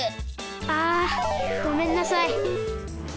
あごめんなさい。